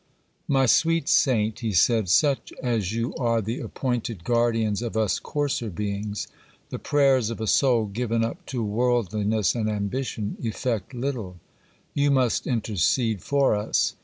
'My sweet saint,' he said, 'such as you are the appointed guardians of us coarser beings: the prayers of a soul given up to worldliness and ambition effect little; you must intercede for us.